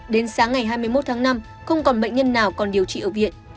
đến sáng ngày hai mươi một tháng năm không còn bệnh nhân nào còn điều trị ở viện